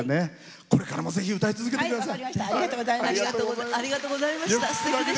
これからも歌い続けてください。